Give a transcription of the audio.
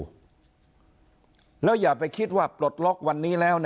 แล้วอย่าไปคิดว่าปลดล็อกวันนี้แล้ว